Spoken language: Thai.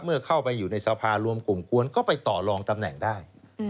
เข้าไปอยู่ในสภารวมกลุ่มควรก็ไปต่อลองตำแหน่งได้